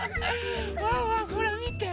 ワンワンほらみて。